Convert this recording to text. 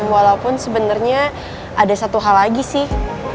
walaupun sebenarnya ada satu hal lagi sih